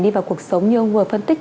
đi vào cuộc sống như ông vừa phân tích